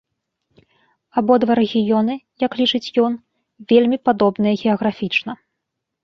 Абодва рэгіёны, як лічыць ён, вельмі падобныя геаграфічна.